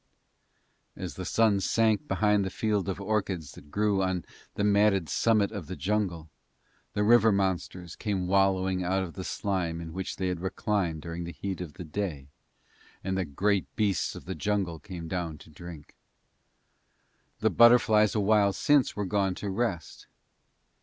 As the sun sank behind the field of orchids that grew on the matted summit of the jungle, the river monsters came wallowing out of the slime in which they had reclined during the heat of the day, and the great beasts of the jungle came down to drink. The butterflies a while since were gone to rest.